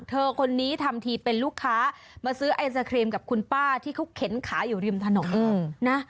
เธอคนนี้ทำทีเป็นลูกค้ามาซื้อไอศครีมกับคุณป้าที่เขาเข็นขาอยู่ริมถนนนะ